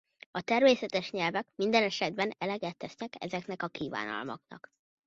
A természetes nyelvek minden esetben eleget tesznek ezeknek a kívánalmaknak.